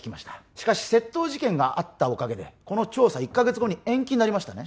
しかし窃盗事件があったおかげでこの調査１カ月後に延期になりましたね？